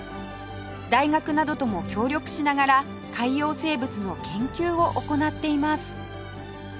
大学などとも協力しながら海洋生物の研究を行っています